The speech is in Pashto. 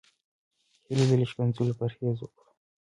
هيله ده له ښکنځلو پرهېز وکړو.